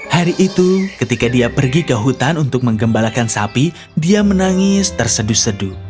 hari itu ketika dia pergi ke hutan untuk menggembalakan sapi dia menangis terseduh seduh